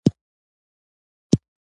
هره خوا يې رامالومه ده.